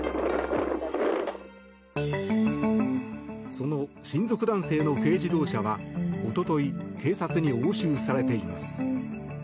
その親族男性の軽自動車は一昨日警察に押収されています。